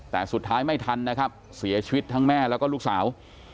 แต่สุดท้ายไม่ทันนะครับเสียชีวิตทั้งแม่แล้วก็ลูกสาว